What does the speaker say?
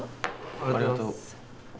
ありがとう。